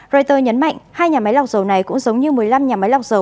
reuters nhấn mạnh hai nhà máy lọc dầu này cũng giống như một mươi năm nhà máy lọc dầu